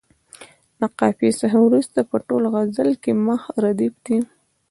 د قافیې څخه وروسته په ټول غزل کې مخ ردیف دی.